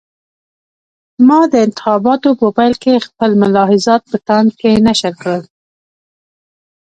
ما د انتخاباتو په پیل کې خپل ملاحضات په تاند کې نشر کړل.